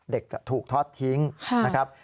เด็กถูกทอดทิ้งนะครับ